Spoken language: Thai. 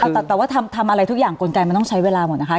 แต่ว่าทำอะไรทุกอย่างกลไกมันต้องใช้เวลาหมดนะคะ